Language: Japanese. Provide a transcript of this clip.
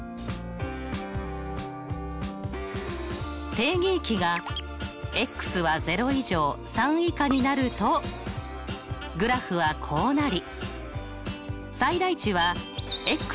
定義域がは０以上３以下になるとグラフはこうなり。